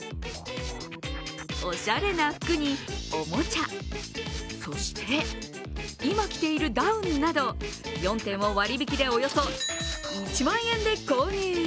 おしゃれな服におもちゃ、そして、今着ているダウンなど４点を割引でおよそ１万円で購入。